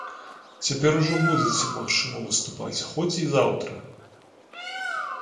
Цяпер ужо будзеце магчы выступаць хоць і заўтра.